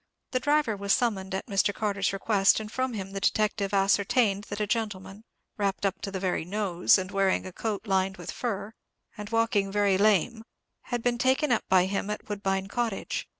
The driver was summoned at Mr. Carter's request, and from him the detective ascertained that a gentleman, wrapped up to the very nose, and wearing a coat lined with fur, and walking very lame, had been taken up by him at Woodbine Cottage.